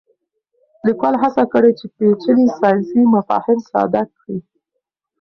لیکوال هڅه کړې چې پېچلي ساینسي مفاهیم ساده کړي.